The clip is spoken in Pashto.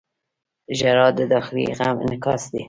• ژړا د داخلي غم انعکاس دی.